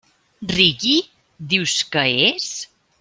Reggae, dius que és?